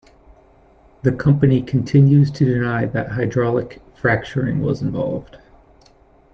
The company continues to deny that hydraulic fracturing was involved.